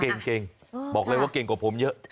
เก่งบอกเลยว่าเก่งกว่าผมเยอะ